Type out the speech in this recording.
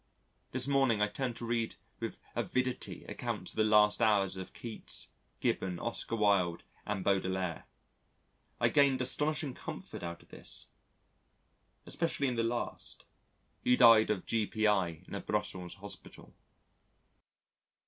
This morning I turned to read with avidity accounts of the last hours of Keats, Gibbon, Oscar Wilde and Baudelaire. I gained astonishing comfort out of this, especially in the last ... who died of G.P.I. in a Brussels Hospital.